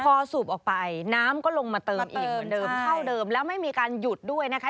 พอสูบออกไปน้ำก็ลงมาเติมอีกเหมือนเดิมเท่าเดิมแล้วไม่มีการหยุดด้วยนะคะ